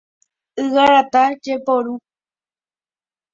Ygarata jeporu.